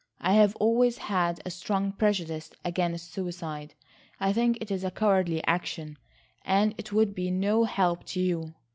I have always had a strong prejudice against suicide. I think it a cowardly action. And it would be no help to you.